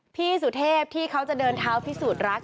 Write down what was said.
พี่สุเทพที่เขาจะเดินเท้าพิสูจน์รัก